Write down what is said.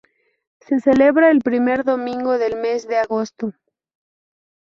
Se celebra el primer domingo del mes de agosto.